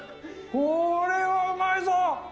これはうまいぞ！